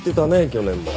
去年も。